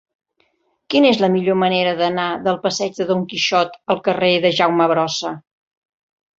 Quina és la millor manera d'anar del passeig de Don Quixot al carrer de Jaume Brossa?